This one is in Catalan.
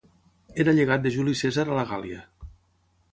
Era llegat de Juli Cèsar a la Gàl·lia.